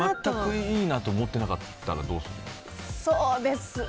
全くいいなと思っていなかったらどうする？